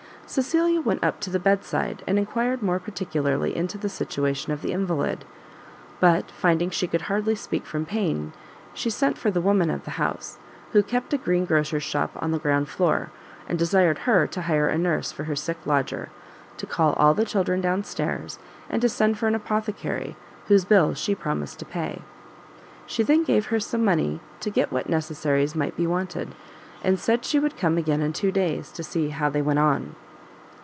Cecilia went up to the bed side, and enquired more particularly into the situation of the invalid; but finding she could hardly speak from pain, she sent for the woman of the house, who kept a Green Grocer's shop on the ground floor, and desired her to hire a nurse for her sick lodger, to call all the children down stairs, and to send for an apothecary, whose bill she promised to pay. She then gave her some money to get what necessaries might be wanted, and said she would come again in two days to see how they went on.